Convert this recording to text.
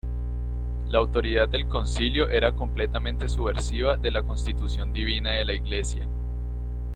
La autoridad del Concilio era completamente subversiva de la constitución divina de la iglesia.